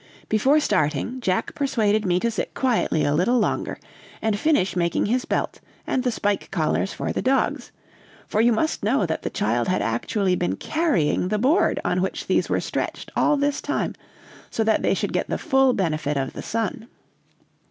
"Before starting, Jack persuaded me to sit quietly a little longer, and finish making his belt and the spike collars for the dogs, for you must know that the child had actually been carrying the board on which these were stretched all this time, so that they should get the full benefit of the sun.